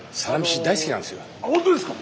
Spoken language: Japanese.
本当ですか！